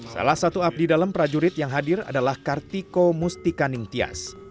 salah satu abdi dalam prajurit yang hadir adalah kartiko mustika ningtyas